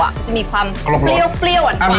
มันจะมีความเปรี้ยวกว่านกว่า